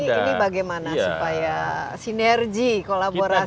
nah ini bagaimana supaya sinergi kolaborasi ini